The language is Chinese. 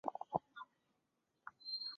自古以来多有诗人提及该处。